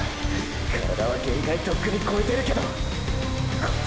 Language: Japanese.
体は限界とっくにこえてるけど答え